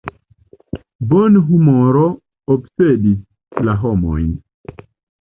Bonhumoro obsedis la homojn.